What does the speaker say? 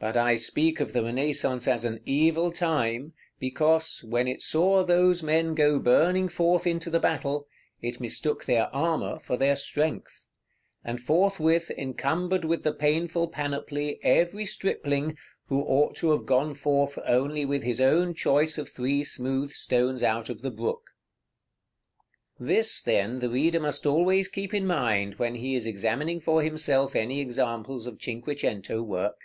But I speak of the Renaissance as an evil time, because, when it saw those men go burning forth into the battle, it mistook their armor for their strength: and forthwith encumbered with the painful panoply every stripling who ought to have gone forth only with his own choice of three smooth stones out of the brook. § XXII. This, then, the reader must always keep in mind when he is examining for himself any examples of cinque cento work.